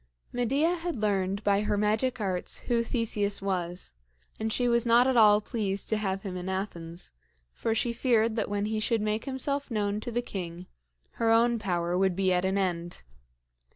Medea had learned by her magic arts who Theseus was, and she was not at all pleased to have him in Athens; for she feared that when he should make himself known to the king, her own power would be at an end.